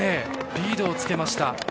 リードをつけました。